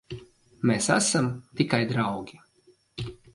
Mēs esam tikai draugi.